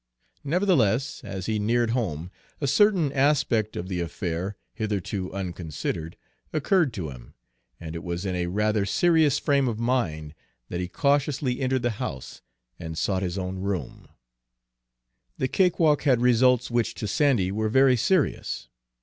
Nevertheless, as he neared home, a certain aspect of the affair, hitherto unconsidered, occurred to him, and it was in a rather serious frame of mind that he cautiously entered the house and sought his own room. The cakewalk had results which to Sandy were very serious.